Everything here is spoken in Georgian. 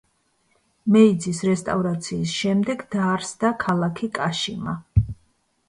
მეიძის რესტავრაციის შემდეგ დაარსდა ქალაქი კაშიმა.